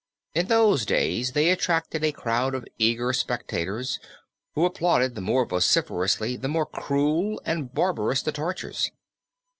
In those days they attracted a crowd of eager spectators who applauded the more vociferously the more cruel and barbarous the tortures.